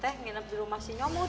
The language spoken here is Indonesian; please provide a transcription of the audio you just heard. teh nginep di rumah si nyomut